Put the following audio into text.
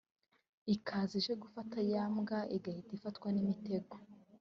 ikaza ije gufata ya mbwa igahita ifatwa n’imitego